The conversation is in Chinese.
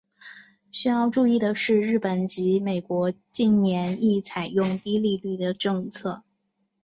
需要注意的是日本及美国近年亦采用低利率政策。